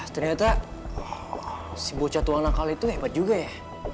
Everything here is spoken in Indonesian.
ternyata si bocah tua nakal itu hebat juga ya